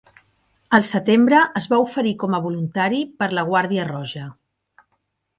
Al setembre es va oferir com a voluntari per la Guàrdia Roja.